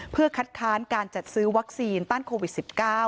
เพื่อคัดค้านการจัดซื้อวัคซีนต้านโควิด๑๙